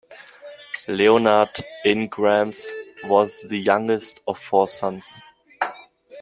Leonard Ingrams was the youngest of four sons.